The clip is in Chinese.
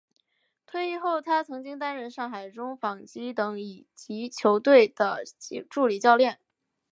退役后他曾经担任上海中纺机等乙级球队的助理教练。